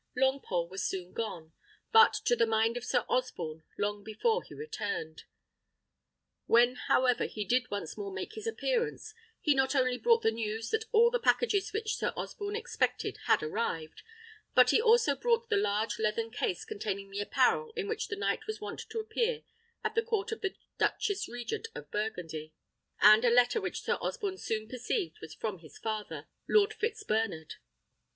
Longpole was soon gone; but, to the mind of Sir Osborne, long before he returned. When, however, he did once more make his appearance, he not only brought the news that all the packages which Sir Osborne expected had arrived, but he also brought the large leathern case containing the apparel in which the knight was wont to appear at the court of the Duchess Regent of Burgundy, and a letter which Sir Osborne soon perceived was from his father, Lord Fitzbernard.